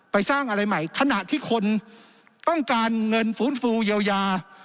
สร้างอะไรใหม่ขณะที่คนต้องการเงินฟื้นฟูเยียวยา